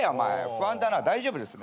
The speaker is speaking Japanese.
不安だな大丈夫ですね？